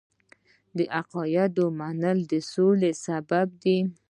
د عقایدو منل د سولې سبب دی.